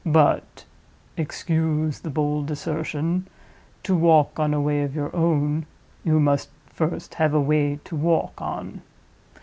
But (excuse the bold assertion), to walk on a way of your own, you must first have a way to walk on.